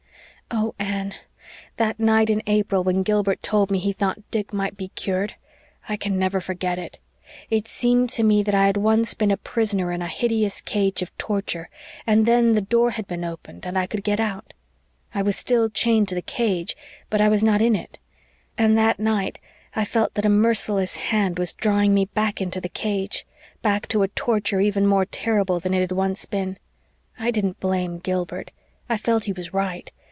"Oh, Anne, that night in April when Gilbert told me he thought Dick might be cured! I can never forget it. It seemed to me that I had once been a prisoner in a hideous cage of torture, and then the door had been opened and I could get out. I was still chained to the cage but I was not in it. And that night I felt that a merciless hand was drawing me back into the cage back to a torture even more terrible than it had once been. I didn't blame Gilbert. I felt he was right.